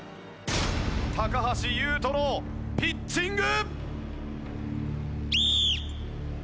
橋優斗のピッチング！